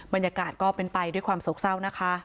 บรรยากาศก็เป็นไปด้วยความโศกเศร้านะคะ